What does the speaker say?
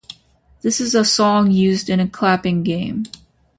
This is a song used in a clapping game.